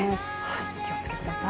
お気をつけください。